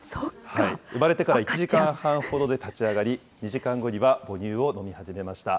生まれてから１時間半ほどで立ち上がり、２時間後には母乳を飲み始めました。